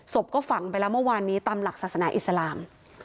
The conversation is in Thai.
ก็ฝังไปแล้วเมื่อวานนี้ตามหลักศาสนาอิสลาม